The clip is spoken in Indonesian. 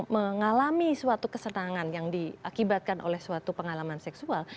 mengalami suatu kesenangan yang diakibatkan oleh suatu pengalaman seksual